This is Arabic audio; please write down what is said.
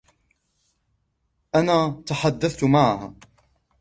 أنا تحدثت معها.